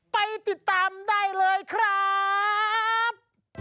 ไปติดตามได้เลยครับ